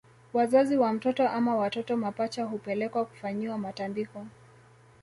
Wazazi wa mtoto ama watoto mapacha hupelekwa kufanyiwa matambiko